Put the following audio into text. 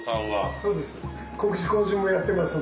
そうです。